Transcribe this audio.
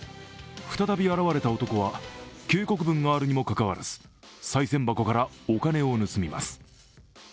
再び現れた男は警告文があるにもかかわらず、さい銭箱からお金を盗みます。